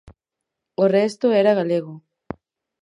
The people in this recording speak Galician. O resto era galego.